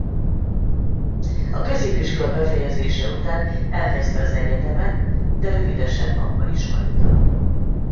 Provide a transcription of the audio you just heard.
A középiskola befejezése után elkezdte az egyetemet de rövidesen abba is hagyta.